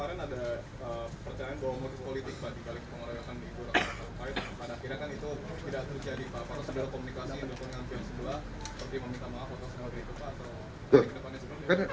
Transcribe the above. kalau sudah komunikasi yang berkongsi dengan cian sedula